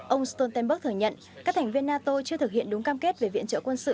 ông stoltenberg thừa nhận các thành viên nato chưa thực hiện đúng cam kết về viện trợ quân sự